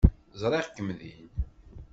Ẓriɣ-kem din.